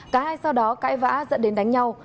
cả hai sau đó cãi vã dẫn đến đánh nhau